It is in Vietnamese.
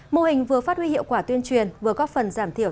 mô hình vừa phát huy hiệu quả tuyên truyền vừa góp phần giảm thiểu